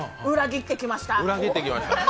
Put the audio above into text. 裏切ってきました。